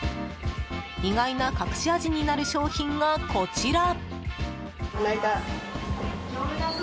意外な隠し味になる商品がこちら。